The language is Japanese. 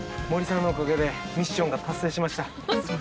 森さんのおかげでミッションが達成しました。